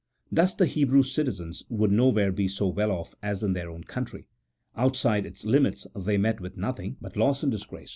Thus the Hebrew citizens would nowhere be so well off as in their own country ; outside its limits they met with nothing but loss and disgrace.